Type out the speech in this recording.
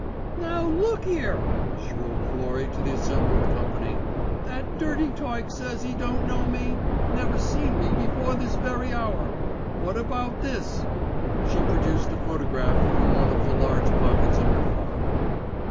"Now look 'ere," shrilled Florrie to the assembled company, "that dirty tyke says 'e don't know me, never seen me before this very hour. What about this?" She produced a photograph from one of the large pockets in her frock.